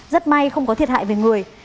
rất may không có thiệt hại về người